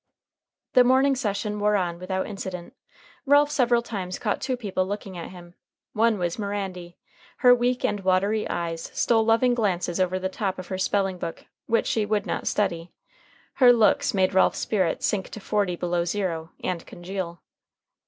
The morning session wore on without incident. Ralph several times caught two people looking at him. One was Mirandy. Her weak and watery eyes stole loving glances over the top of her spelling book, which she would not study. Her looks made Ralph's spirits sink to forty below zero, and congeal.